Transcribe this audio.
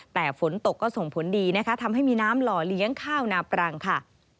แต่ฝนตกก็ส่งผลดีนะคะทำให้มีน้ำหล่อเลี้ยงข้าวนาปรังค่ะ